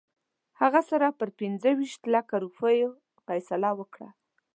هغه سره پر پنځه ویشت لکه روپیو فیصله وکړه.